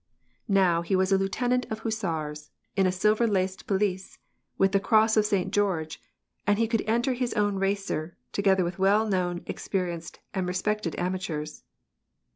Now he was a lieutenant of hussars, in a silver laced pelisse, with the cross of Saint George, and he could enter his own racer, together with well known, experienced, and respected amateurs.